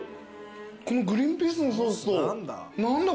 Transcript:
このグリーンピースのソースと何だ